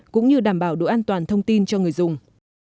cũng như đảm bảo độ an toàn thông tin cho người dùng